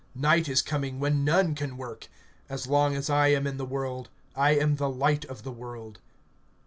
Night is coming, when none can work. (5)As long as I am in the world, I am the light of the world.